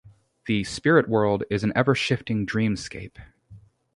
The "Spirit World" is an ever shifting dreamscape.